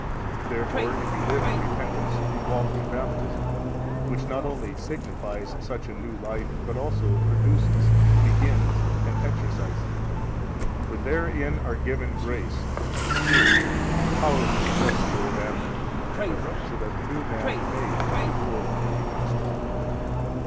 Therefore, if you live in repentance, you walk in Baptism, which not only signifies such a new life, but also produces, begins, and exercises it. 76 For therein are given grace, the Spirit, and power to suppress the old man, so that the new man may come forth and become strong.